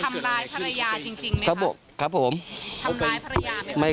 ตลอดทั้งคืนตลอดทั้งคืน